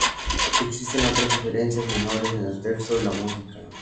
Existen otras diferencias menores en el texto y la música.